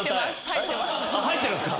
入ってるんすか。